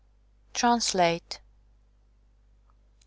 TRANSLATE 1.